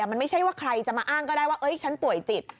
มันไม่ใช่ว่าใครจะมาอ้างก็ได้ว่าฉันป่วยจิต